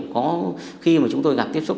có khi mà chúng tôi gặp tiếp xúc